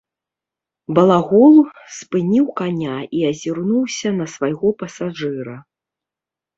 Балагол спыніў каня і азірнуўся на свайго пасажыра.